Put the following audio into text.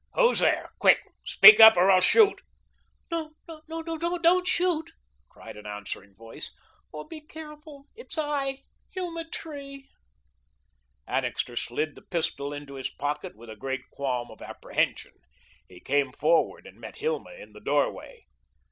"Who's there? Quick, speak up or I'll shoot." "No, no, no, don't shoot," cried an answering voice. "Oh, be careful. It's I Hilma Tree." Annixter slid the pistol into his pocket with a great qualm of apprehension. He came forward and met Hilma in the doorway.